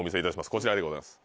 こちらでございます。